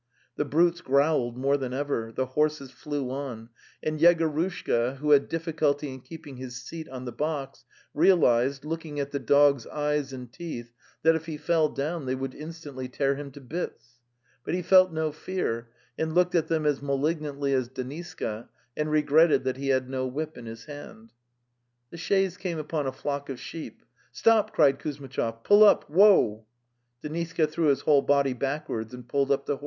The brutes growled more than ever, the horses flew on; and Yegorushka, who had diff culty in keeping his seat on the box, realized, look ing at the dogs' eyes and teeth, that if he fell down they would instantly tear him to bits; but he felt no fear and looked at them as malignantly as Deniska, and regretted that he had no whip in his hand. The chaise came upon a flock of sheep. " Stop!" cried Kuzmitchov. ' Pull up! Woa!" Deniska threw his whole body backwards and pulled up the horses.